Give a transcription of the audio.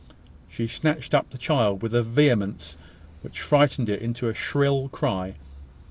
She snatched up the child with a vehemence which frightened it into a shrill cry.